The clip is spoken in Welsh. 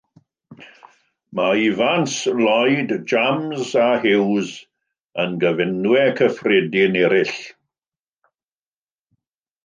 Mae Evans, Lloyd, James a Hughes yn gyfenwau cyffredin eraill.